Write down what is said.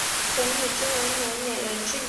之后林瑟康进入华盛顿大学学习。